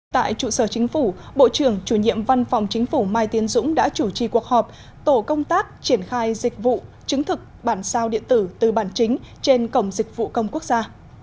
tại trụ sở chính phủ bộ trưởng chủ nhiệm văn phòng chính phủ mai tiến dũng đã chủ trì cuộc họp tổ công tác triển khai dịch vụ chứng thực bản sao điện tử từ bản chính trên cổng dịch vụ công quốc gia